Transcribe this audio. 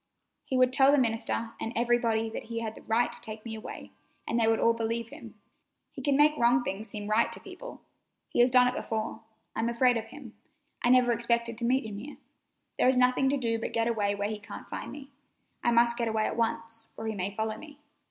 He would tell the minister and everybody that he had a right to take me away, and they would all believe him. He can make wrong things seem right to people. He has done it before. I'm afraid of him. I never expected to meet him here. There is nothing to do but get away where he can't find me. I must get away at once, or he may follow me.